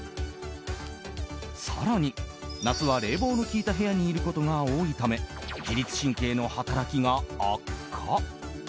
更に、夏は冷房の効いた部屋にいることが多いため自律神経の働きが悪化。